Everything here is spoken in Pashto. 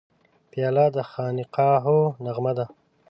پیاله د خانقاهو نغمه ده.